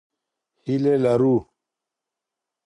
هیلې لرو.